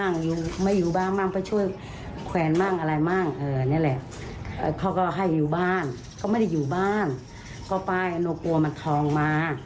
ก็ป้าหนูกลัวมันทองมา